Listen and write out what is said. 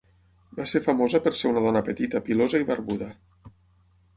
Va ser famosa per ser una dona petita, pilosa i barbuda.